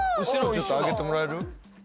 ちょっと上げてもらえる？